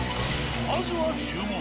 まずは注文。